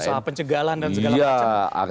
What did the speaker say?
soal pencegalan dan segala macam